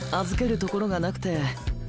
預けるところがなくて。